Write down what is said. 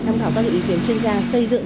tham khảo các ý kiến chuyên gia xây dựng